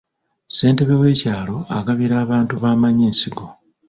Ssentebe w'ekyalo agabira abantu b'amanyi ensigo.